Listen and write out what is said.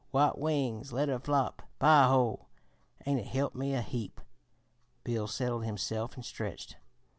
White wings let her flop! Pie ho!' an' it helped me a heap." Bill settled himself and stretched.